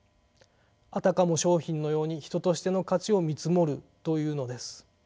あたかも商品のように人としての価値を見積もるというのです。